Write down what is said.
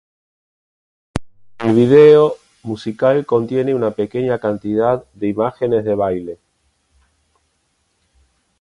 El vídeo musical contiene una pequeña cantidad de imágenes de baile.